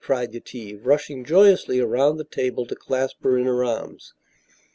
cried Yetive, rushing joyously around the table to clasp her in her arms.